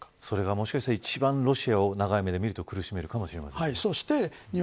それが、もしかしたら一番ロシアを長い目で見たら苦しめるかもしれない。